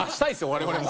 我々も。